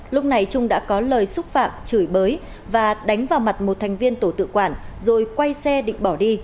lúc này trung đã có lời xúc phạm chửi bới và đánh vào mặt một thành viên tổ tự quản rồi quay xe định bỏ đi